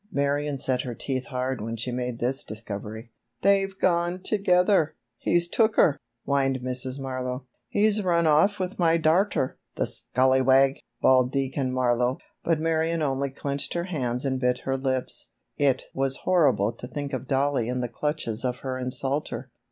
Marion set her teeth hard when she made this discovery. "They've gone together! He's took her!" whined Mrs. Marlowe. "He's run off with my darter! the scallywag!" bawled Deacon Marlowe, but Marion only clenched her hands and bit her lips. It was horrible to think of Dollie in the clutches of her insulter.